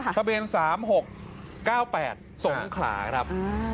ทะเบียน๓๖๙๘สงขลาครับ